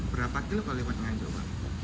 berapa kilo kalau lewat nganjuk pak